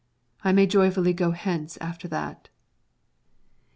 I may joyfully go hence after that.